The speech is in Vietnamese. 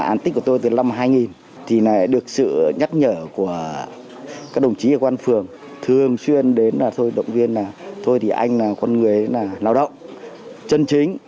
án tích của tôi từ năm hai nghìn thì này được sự nhắc nhở của các đồng chí ở quán phường thường xuyên đến là thôi động viên là tôi thì anh là con người là lao động chân chính